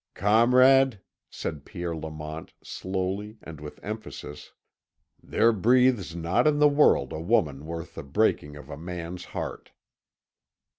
"Comrade," said Pierre Lamont, slowly and with emphasis, "there breathes not in the world a woman worth the breaking of a man's heart."